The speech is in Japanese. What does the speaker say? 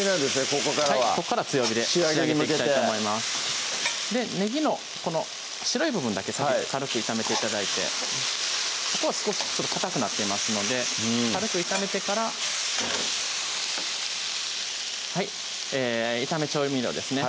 ここからはここからは強火で仕上げに向けてねぎのこの白い部分だけ先に軽く炒めて頂いてここは少しかたくなっていますので軽く炒めてから炒め調味料ですね